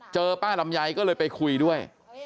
ป้าลำไยก็เลยไปคุยด้วย